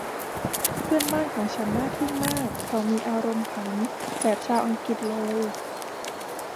เพื่อนบ้านของฉันน่าทึ่งมาก เขามีอารมณ์ขันแบบชาวอังกฤษเลย